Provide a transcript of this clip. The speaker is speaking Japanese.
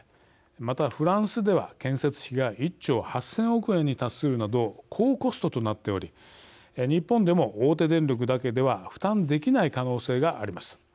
また、フランスでは建設費が１兆８０００億円に達するなど高コストとなっており日本でも大手電力だけでは負担できない可能性があります。